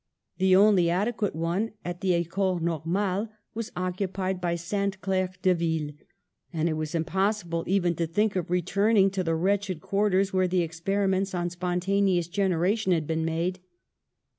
The only adequate one at the Ecole Normale was occupied by Sainte Claire Deville, and it was impossible even to think of returning to the wretched quarters where the experiments on spontaneous generation had been made.